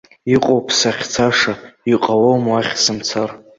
Иҟоуп сахьцаша, иҟалом уахь сымцар.